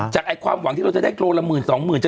ความหวังที่เราจะได้โลละหมื่นสองหมื่น